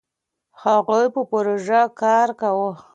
هغوی په پروژه کار کاوه.